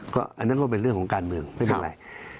อันนั้นก็เป็นเรื่องของการเมืองไม่เป็นไร